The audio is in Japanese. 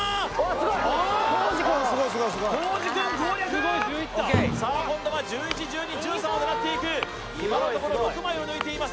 すごいコージくんをあさあ今度は１１１２１３を狙っていく今のところ６枚を抜いています